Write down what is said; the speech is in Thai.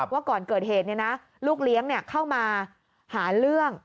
ว่าก่อนเกิดเหตุเนี่ยนะลูกเลี้ยงเนี่ยเข้ามาหาเรื่อง